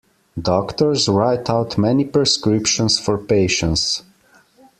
Doctor's write out many prescriptions for patients.